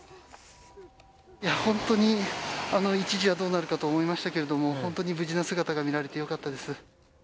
いや、本当に一時はどうなるかと思いましたけれども、本当に無事な姿が見られてよかったです。